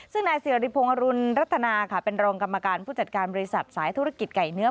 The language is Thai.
ซึ่งนายสิริพงศ์อรุณรัฐนาค่ะเป็นรองกรรมการผู้จัดการบริษัทสายธุรกิจไก่เนื้อ